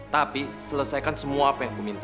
tapi selesaikan semua apa yang aku minta